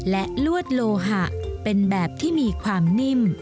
และลวดโลหะเป็นแบบที่มีความนิ่ม